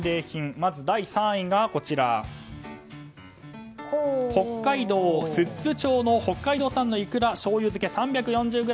まず、第３位が北海道寿都町の、北海道産のイクラしょうゆ漬け３４０ｇ。